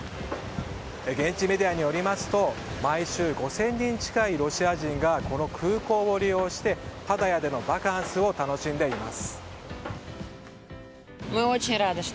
現地メディアによりますと毎週、５０００人近いロシア人がこの空港を利用してパタヤでのバカンスを楽しんでいます。